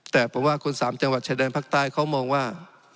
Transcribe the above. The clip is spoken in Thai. แต่ผมว่าคนสามจังหวัดชายแดนภาคใต้เขามองว่า